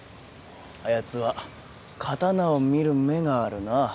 あやつは刀を見る目があるな。